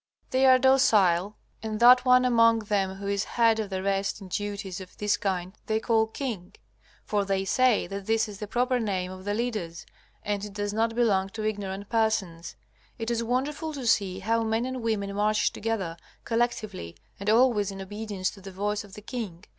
They are docile, and that one among them who is head of the rest in duties of this kind they call king. For they say that this is the proper name of the leaders, and it does not belong to ignorant persons. It is wonderful to see how men and women march together collectively, and always in obedience to the voice of the king.